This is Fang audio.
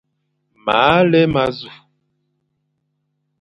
Mâa lé ma zu.